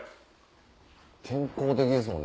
健康的ですもんね